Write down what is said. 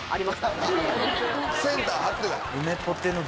センター張ってた。